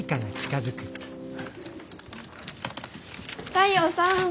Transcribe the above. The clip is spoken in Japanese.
太陽さん